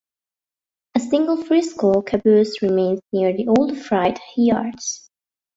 A single "Frisco" caboose remains near the old freight yards.